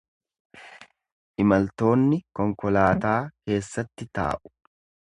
Imaltoonni konkolaataa keessatti taa’u.